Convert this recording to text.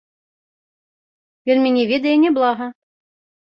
Ён мяне ведае няблага.